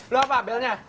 lu apa belnya